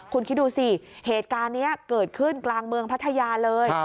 คุณคิดดูสิเหตุการณ์นี้เกิดขึ้นกลางเมืองพัทยาเลย